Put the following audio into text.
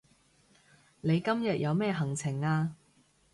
你今日有咩行程啊